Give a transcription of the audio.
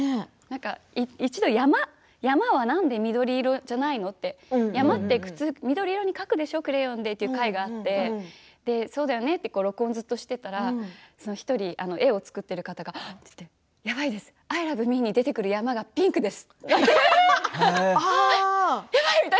一度山はなんで緑色じゃないのって山は普通クレヨンで緑色に描くんでしょうという回があってそれで録音をずっとしてたら１人、絵を作っている方がやばいです、「アイラブみー」に出てくる山がピンク色です。